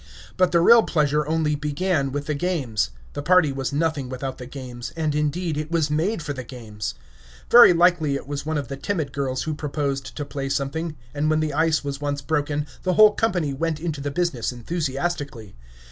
But the real pleasure only began with the games. The party was nothing without the games, and, indeed, it was made for the games. Very likely it was one of the timid girls who proposed to play something, and when the ice was once broken, the whole company went into the business enthusiastically.